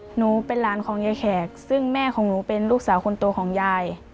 หนูเป็นหลานของยายแขกซึ่งแม่ของหนูเป็นลูกสาวคนโตของยาย